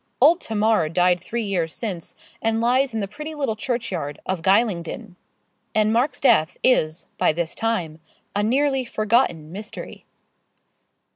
Old Tamar died three years since, and lies in the pretty little churchyard of Gylingden. And Mark's death is, by this time, a nearly forgotten mystery.